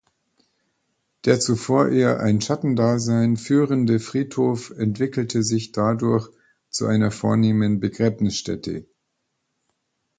Der zuvor eher ein Schattendasein führende Friedhof entwickelte sich dadurch zu einer vornehmen Begräbnisstätte.